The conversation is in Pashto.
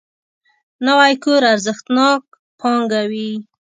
نوی کور ارزښتناک پانګه وي